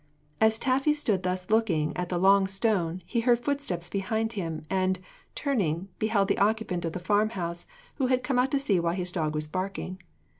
As Taffy stood thus looking at the Long Stone, he heard footsteps behind him, and turning, beheld the occupant of the farm house, who had come out to see why his dog was barking.